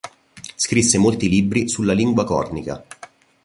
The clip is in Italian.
Scrisse molti libri sulla lingua cornica.